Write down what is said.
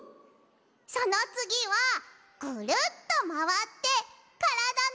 そのつぎはぐるっとまわってからだのまえにまる。